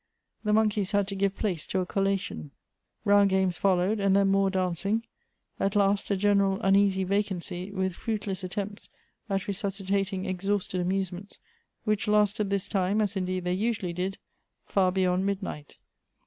The monkeys had to give place to a collation. Round Elective Affinities. 183. games followed, and then more dancing ; at last, a gen eral uneasy vacancy, with fruitless attempts at resuscitat ing exhausted amusements, which lasted this time, as indeed they usually did, far beyond midnight.